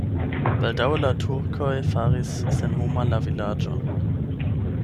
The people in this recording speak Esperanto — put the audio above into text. Baldaŭe la turkoj faris senhoma la vilaĝon.